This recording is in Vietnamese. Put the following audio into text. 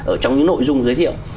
ở trong những nội dung giới thiệu